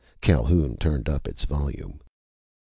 Calhoun turned up its volume.